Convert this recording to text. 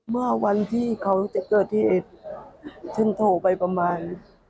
เมื่อวันที่เขาจะเกิดเหตุฉันโทรไปประมาณ